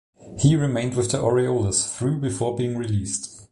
He remained with the Orioles through before being released.